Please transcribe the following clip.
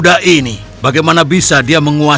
terima kasih ya